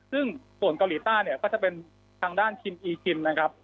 ซึ่งส่วนเกาหลีใต้เนี่ยก็จะเป็นทางด้านคินอีคิมนะครับ